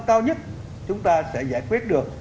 cao nhất chúng ta sẽ giải quyết được